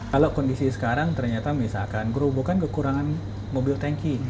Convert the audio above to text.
kalau kondisi sekarang ternyata misalkan gerobokan kekurangan mobil tanki